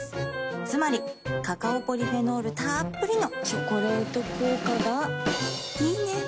つまりカカオポリフェノールたっぷりの「チョコレート効果」がいいね。